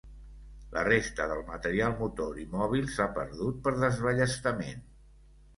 La resta del material motor i mòbil s'ha perdut per desballestament.